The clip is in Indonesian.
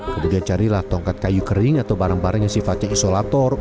kemudian carilah tongkat kayu kering atau barang barang yang sifatnya isolator